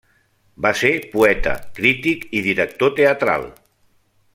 Va ser poeta, crític i director teatral.